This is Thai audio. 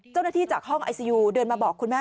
เจ้าหน้าที่จากห้องไอซียูเดินมาบอกคุณแม่